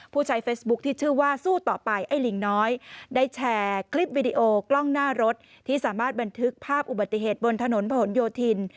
ผู้ใช้เฟซบุ๊คที่ชื่อว่าสู้ต่อไปไอ้ลิงน้อยได้แชร์คลิปวิดีโอกล้องหน้ารถที่สามารถบันทึกภาพอุบัติเหตุบนถนนผนโยธิน